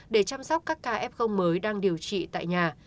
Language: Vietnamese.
để chăm sóc các ca f mới đang điều trị tại nhà